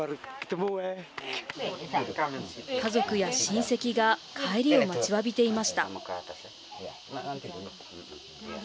家族や親戚が帰りを待ちわびていました。